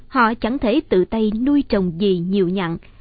họ chẳng thấy tự tay nuôi trồng gì nhiều nhặn